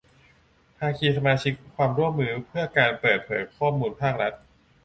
ภาคีสมาชิกความร่วมมือเพื่อการเปิดเผยข้อมูลภาครัฐ